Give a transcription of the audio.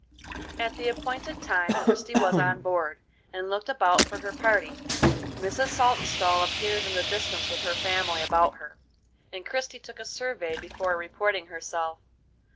At the appointed time Christie was on board, and looked about for her party. Mrs. Saltonstall appeared in the distance with her family about her, and Christie took a survey before reporting herself.